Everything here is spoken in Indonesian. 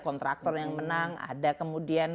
kontraktor yang menang ada kemudian